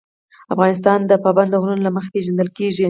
افغانستان د پابندی غرونه له مخې پېژندل کېږي.